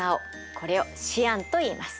これをシアンといいます。